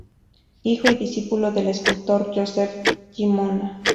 Hijo y discípulo del escultor Josep Llimona.